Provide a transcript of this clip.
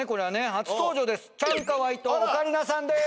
初登場です